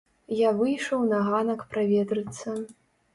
Я выйшаў на ганак праветрыцца.